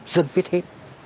dân biết hết